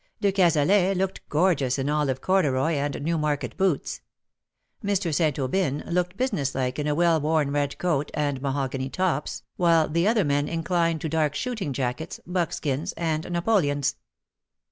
De Cazalet looked gorgeous in olive corduroy and Newmarket boots. Mr. St. Aubyn looked business like in a well worn red coat and mahogany tops, while the other men inclined to dark shooting jackets, buckskins, and Napoleons.